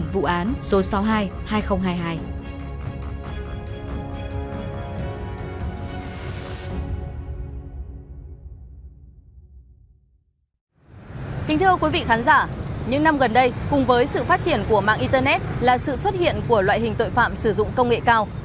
kính thưa quý vị khán giả những năm gần đây cùng với sự phát triển của mạng internet là sự xuất hiện của loại hình tội phạm sử dụng công nghệ cao